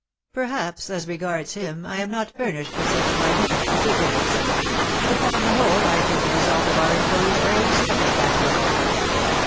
"Perhaps, as regards him, I am not furnished with such minute particulars; but, upon the whole, I think the result of our inquiries very satisfactory."